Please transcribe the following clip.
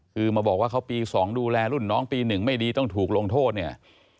คือมาบอกว่าเขาปี๒ดูแลรุ่นน้องปี๑ไม่ดีต้องถูกลงโทษเนี่ย